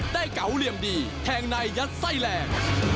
เก๋าเหลี่ยมดีแทงในยัดไส้แรง